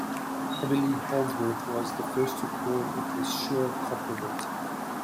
Emilie Haynsworth was the first to call it the "Schur complement".